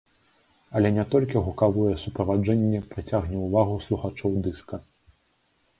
Але не толькі гукавое суправаджэнне прыцягне ўвагу слухачоў дыска.